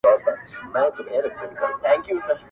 ما له پلاره اورېدلي په کتاب کي مي لیدلي-